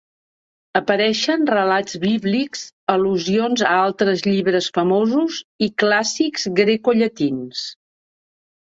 Apareixen relats bíblics, al·lusions a altres llibres famosos i clàssics grecollatins.